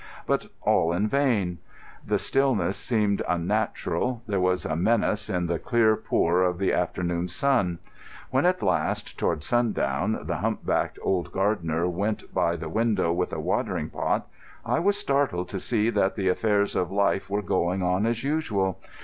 But all in vain. The stillness seemed unnatural. There was a menace in the clear pour of the afternoon sun. When at last, toward sundown, the humpbacked old gardener went by the window with a watering pot, I was startled to see that the affairs of life were going on as usual.